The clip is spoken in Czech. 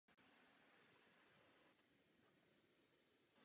Učil hudbu na gymnáziu a působil i jako soukromý učitel hudby.